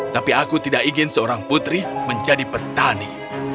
tapi aku tidak ingin seorang putri menjadi petani